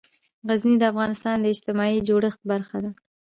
غزني د افغانستان د اجتماعي جوړښت برخه ده.